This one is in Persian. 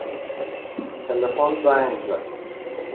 تلفن زنگ زد.